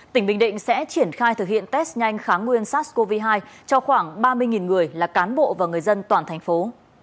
tỉnh bình định sẽ triển khai thực hiện test nhanh kháng nguyên sars cov hai cho khoảng ba mươi người là cán bộ và người dân toàn thành phố